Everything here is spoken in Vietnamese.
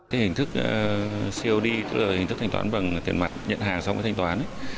hình thức cod hình thức thanh toán bằng tiền mặt nhận hàng sau khi thanh toán